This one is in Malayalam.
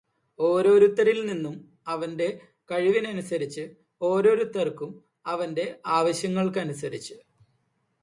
ഓരോരുത്തരിൽ നിന്നും അവന്റെ കഴിവിനനുസരിച്ച്, ഓരോരുത്തർക്കും അവന്റെ ആവശ്യങ്ങൾക്കനുസരിച്ച്